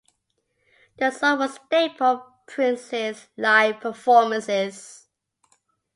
The song was a staple of Prince's live performances.